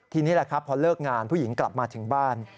ทีนี้แหละครับพอเลิกงานผู้หญิงกลับมาถึงบ้าน